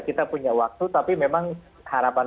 kita punya waktu tapi memang harapan